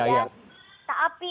tapi harus terus ini